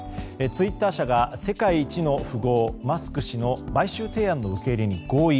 ツイッター社が世界一の富豪マスク氏の買収提案の受け入れに合意。